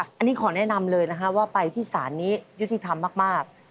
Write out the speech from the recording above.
อันนี้ขอแนะนำเลยนะฮะว่าไปที่ศาลนี้ยุติธรรมมาก